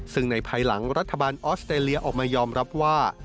ซึ่งในภายหลังรัฐบาลออสเตรเลียออกมายอมรับว่า